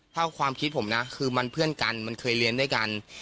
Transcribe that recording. ถ้าความคิดผมนะคือมันเพื่อนกันมันเคยเรียนด้วยกัน